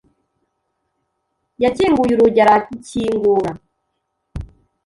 yakinguye urugi arakingura.